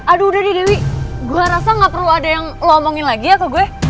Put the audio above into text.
aduh udah deh dewi gue rasa gak perlu ada yang ngomongin lagi ya atau gue